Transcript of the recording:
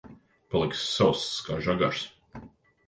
Paliksi sauss kā žagars.